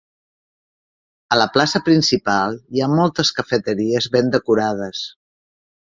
A la plaça principal hi ha moltes cafeteries ben decorades.